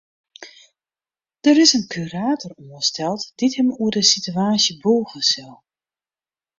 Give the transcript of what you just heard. Der is in kurator oansteld dy't him oer de sitewaasje bûge sil.